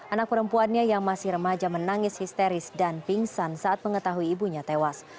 anak perempuannya yang masih remaja menangis histeris dan pingsan saat mengetahui ibunya tewas